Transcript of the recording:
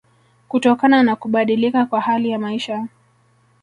kutokana na kubadilika kwa hali ya maisha